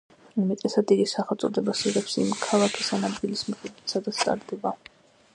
უმეტესად, იგი სახელწოდებას იღებს იმ ქალაქის ან ადგილის მიხედვით, სადაც ტარდება.